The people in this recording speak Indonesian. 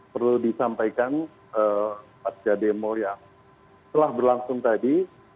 perlu disampaikan pak jademo yang telah berlangsung tadi